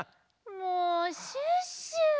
もうシュッシュ！